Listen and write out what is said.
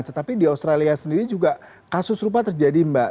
tetapi di australia sendiri juga kasus rupa terjadi mbak